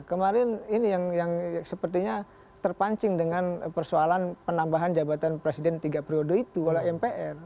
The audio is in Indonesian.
kemarin ini yang sepertinya terpancing dengan persoalan penambahan jabatan presiden tiga periode itu oleh mpr